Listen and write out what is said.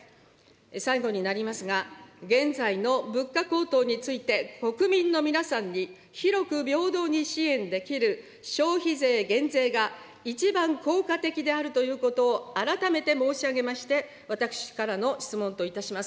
最後になりますが、現在の物価高騰について、国民の皆さんに広く平等に支援できる消費税減税が一番効果的であるということを改めて申し上げまして、私からの質問といたします。